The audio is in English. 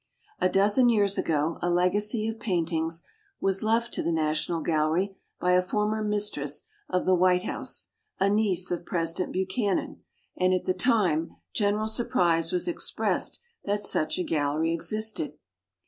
A dozen years ago a legacy of paint ings was left to the National Gallery by a former mistress of the White House, a niece of President Buchanan, and at the time general surprise was expressed that such a gallery existed.